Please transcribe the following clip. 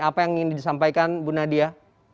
apa yang ingin disampaikan bu nadia